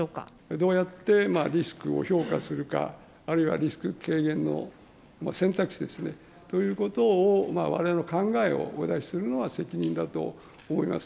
どうやってリスクを評価するか、あるいはリスク軽減の選択肢ですね、ということを、われわれの考えをお出しするのは責任だと思います。